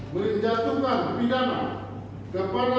menjatuhkan pidana kepada terdakwa justinus tanaem